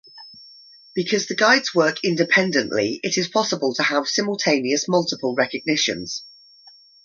Because the guides work independently, it is possible to have simultaneous multiple recognitions.